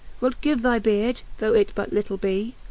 Wilt give thy beard, though it but little bee?